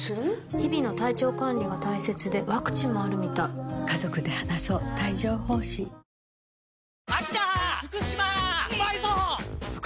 日々の体調管理が大切でワクチンもあるみたい伊沢さん。